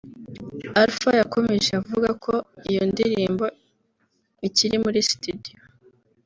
Alpha yakomeje avuga ko iyo ndirimbo ikiri muri studio